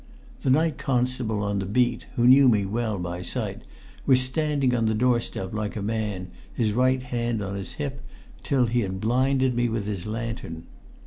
The night constable on the beat, who knew me well by sight, was standing on the doorstep like a man, his right hand on his hip till he had blinded me with his lantern.